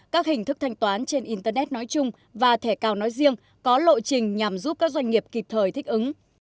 các hình thức thanh toán trên internet nói chung và thẻ cào nói riêng có lộ trình nhằm giúp các doanh nghiệp kịp thời thích ứng